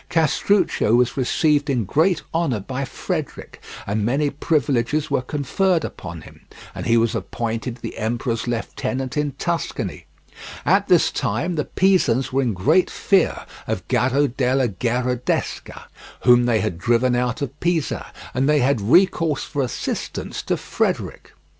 Castruccio was received in great honour by Frederick, and many privileges were conferred upon him, and he was appointed the emperor's lieutenant in Tuscany. At this time the Pisans were in great fear of Gaddo della Gherardesca, whom they had driven out of Pisa, and they had recourse for assistance to Frederick.